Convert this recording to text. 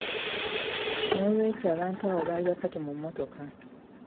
N’olw'ekyo abantu abo baali basatu mu mmotoka.